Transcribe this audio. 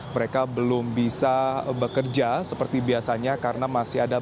mereka belum bisa bekerja seperti biasanya karena masih ada